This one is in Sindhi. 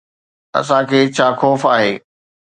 اسان کي ڇا خوف آهي؟